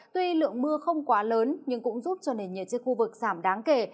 tuy lượng mưa không quá lớn nhưng cũng giúp cho nền nhiệt trên khu vực giảm đáng kể